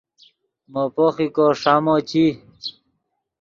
مو پوخیکو ݰامو چی